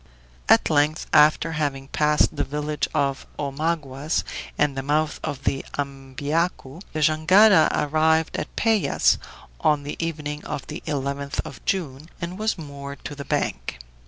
At length, after having passed the village of Omaguas and the mouth of the Ambiacu, the jangada arrived at Pevas on the evening of the 11th of June, and was moored to the bank.